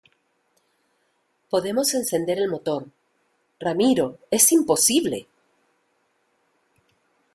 podemos encender el motor. ramiro, es imposible .